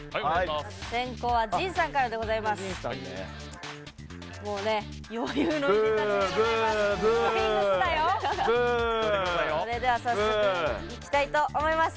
先攻はＪＩＮさんからでございます。